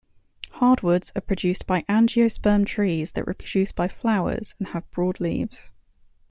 Hardwoods are produced by angiosperm trees that reproduce by flowers, and have broad leaves.